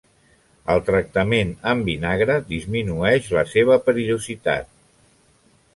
El tractament amb vinagre disminueix la seva perillositat.